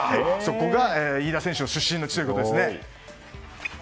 ここが飯田選手の出身の地ということですね。